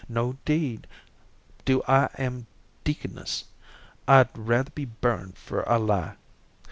No, 'deed. Do I am deaconess, I'd rather be burned for a lie.